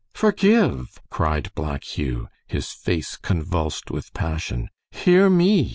"Forgive!" cried Black Hugh, his face convulsed with passion. "Hear me!"